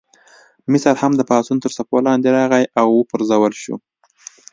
مصر هم د پاڅون تر څپو لاندې راغی او وپرځول شو.